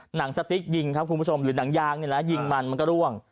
หนังสติ๊กยิงครับคุณผู้ชมหรือหนังยางนี่แหละยิงมันมันก็ร่วง